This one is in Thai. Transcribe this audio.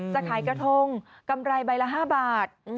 จะขายกระทงกำไรใบละ๕บาท